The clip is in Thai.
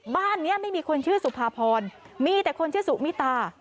บ้านนี้ไม่มีคนชื่อสุภาพรมีแต่คนชื่อสุมิตา